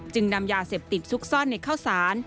นำยาเสพติดซุกซ่อนในข้าวสาร